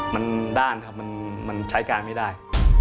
มันด้านครับมันใช้การไม่ได้